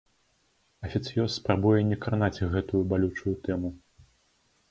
Афіцыёз спрабуе не кранаць гэтую балючую тэму.